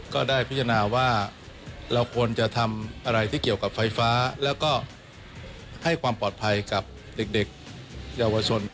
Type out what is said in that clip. ก็ได้พิจารณาว่าเราควรจะทำอะไรที่เกี่ยวกับไฟฟ้าแล้วก็ให้ความปลอดภัยกับเด็กเยาวชน